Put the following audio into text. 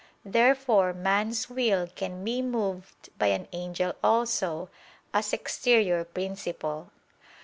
Therefore man's will can be moved by an angel also, as exterior principle.